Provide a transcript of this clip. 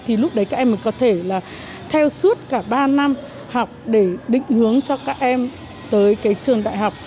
thì lúc đấy các em mới có thể là theo suốt cả ba năm học để định hướng cho các em tới cái trường đại học